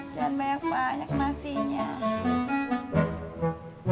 jangan banyak banyak nasinya